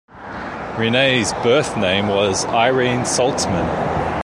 Rene's birth name was Irene Saltzman.